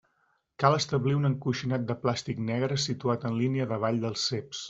Cal establir un encoixinat de plàstic negre situat en línia davall dels ceps.